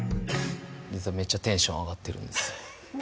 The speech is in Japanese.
実はめっちゃテンション上がってるんです